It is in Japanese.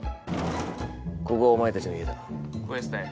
「ここがお前たちの家だ」